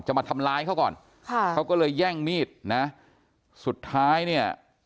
มาทำร้ายเขาก่อนค่ะเขาก็เลยแย่งมีดนะสุดท้ายเนี่ย